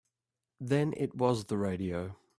Then it was the radio.